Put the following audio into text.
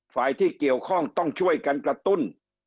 ฝ่ายที่เกี่ยวข้องต้องช่วยกันกระตุ้น